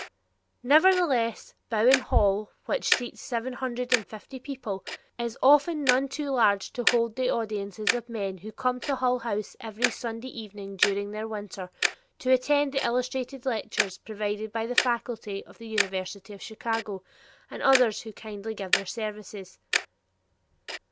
Nevertheless Bowen Hall, which seats seven hundred and fifty people, is often none too large to hold the audiences of men who come to Hull House every Sunday evening during the winter to attend the illustrated lectures provided by the faculty of the University of Chicago and others who kindly give their services.